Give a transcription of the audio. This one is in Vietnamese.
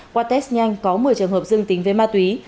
qua test nhanh có một mươi trường hợp dương tính với ma túy